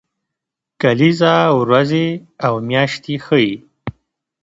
کلیزه ورځې او میاشتې ښيي